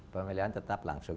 pemilihan tetap langsung